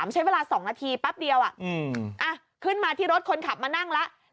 ใช้เวลา๒นาทีแป๊บเดียวขึ้นมาที่รถคนขับมานั่งแล้ว